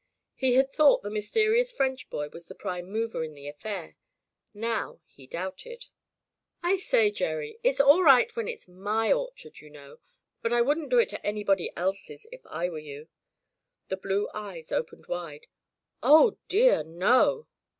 He had thought the mysterious French boy was the prime mover in the affair. Now he doubted. "I say, Gerry — it's all right when it's my orchard, you know, but I wouldn't do it to anybody else's if I were you." The blue eyes opened wide. "Oh, dear, no!